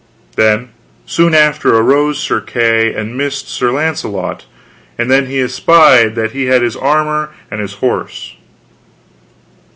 Then soon after arose Sir Kay and missed Sir Launcelot; and then he espied that he had his armor and his horse.